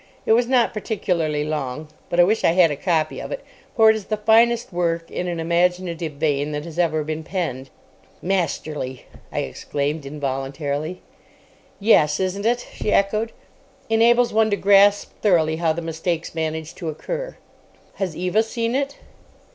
It was not particularly long, but I wish I had a copy of it; for it is the finest work in an imaginative vein that has ever been penned. "Masterly!" I exclaimed involuntarily. "Yes, isn't it?" she echoed. "Enables one to grasp thoroughly how the mistake managed to occur." "Has Eva seen it?"